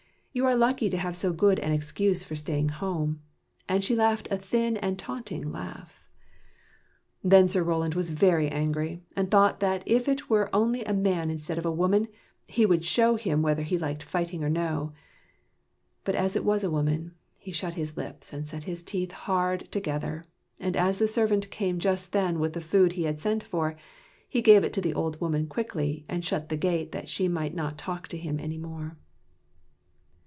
You are lucky to have so good an excuse for staying at home." And she laughed a thin and taunting laugh. Then Sir Roland was very angry, and thought that if it were only a man instead of a woman, he would show him whether he liked fighting or no. But as it was a woman, he shut his lips and set his teeth hard together, and as the servant came just then with the food he had sent for, he gave it to the old woman quickly, and shut the gate that she might not talk to him any more.